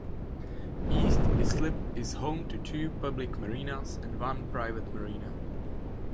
East Islip is home to two public marinas and one private marina.